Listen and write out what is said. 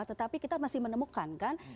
tetapi kita masih menemukan kan